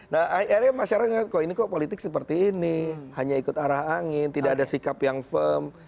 nah akhirnya masyarakat kok ini kok politik seperti ini hanya ikut arah angin tidak ada sikap yang firm